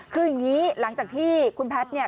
คืออย่างนี้หลังจากที่คุณแพทย์เนี่ย